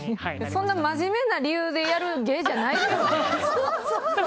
そんな真面目な理由でやる芸じゃないですよ。